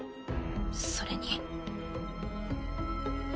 それに。